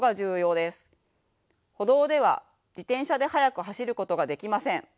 歩道では自転車で速く走ることができません。